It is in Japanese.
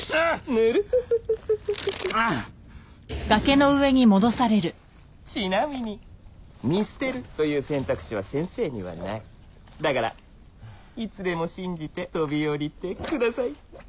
ヌルフフフフうーちなみに見捨てるという選択肢は先生にはないだからいつでも信じて飛び降りてください